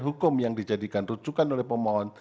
hukum yang dijadikan rujukan oleh pemohon